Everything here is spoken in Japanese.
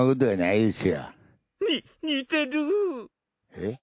えっ？